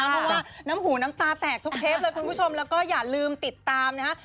เพราะว่าน้ำหูน้ำตาแตกทุกเทปเลยคุณผู้ชมแล้วก็อย่าลืมติดตามนะฮะ